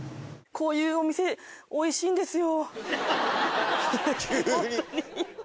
こういうお店おいしいんですよ。